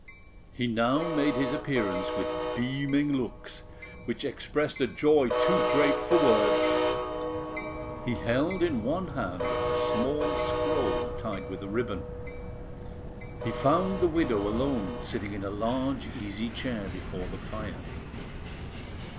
He now made his appearance with beaming looks, which expressed a joy too great for words. He held in one hand a small scroll tied with a ribbon. He found the widow alone, sitting in a large easy chair before the fire.